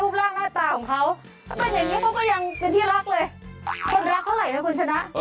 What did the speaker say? คนรักเท่าไรนะคุณชนะ